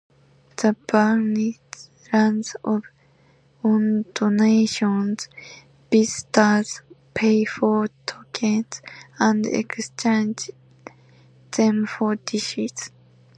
The brunch runs on donations; visitors pay for tokens and exchange them for dishes.